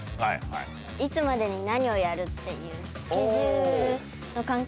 いつまでに何をやるっていう。